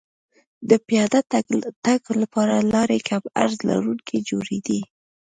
د پیاده تګ لپاره لارې کم عرض لرونکې جوړېدې